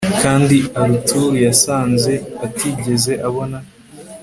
Kandi Arthur yasanze atigeze abona